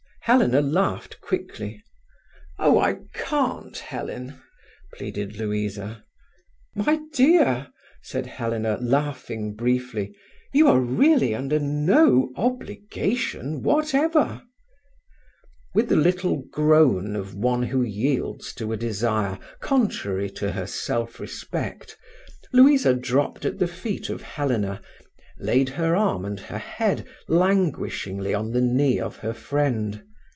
Helena laughed quickly. "Oh I can't, Helen!" pleaded Louisa. "My dear," said Helena, laughing briefly, "you are really under no obligation whatever." With the little groan of one who yields to a desire contrary to her self respect, Louisa dropped at the feet of Helena, laid her arm and her head languishingly on the knee of her friend.